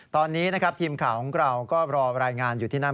ตอนนี้นะครับทีมข่าวของเราก็รอรายงานอยู่ที่นั่น